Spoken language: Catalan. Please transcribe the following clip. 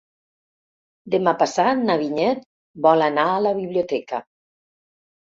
Demà passat na Vinyet vol anar a la biblioteca.